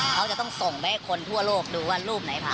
เขาจะต้องส่งไปให้คนทั่วโลกดูว่ารูปไหนผ่า